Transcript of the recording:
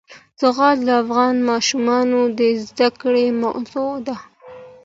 زغال د افغان ماشومانو د زده کړې موضوع ده.